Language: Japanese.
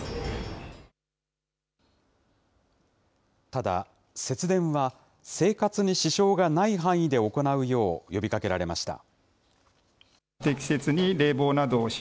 ただ、節電は生活に支障がない範囲で行うよう呼びかけられました。